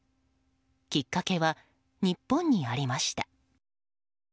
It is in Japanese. きっかけは、日本にありました。